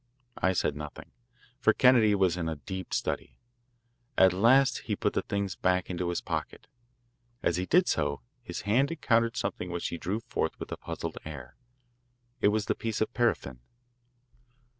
I said nothing, for Kennedy was in a deep study. At last he put the things back into his pocket. As he did so his hand encountered something which he drew forth with a puzzled air. It was the piece of paraffin.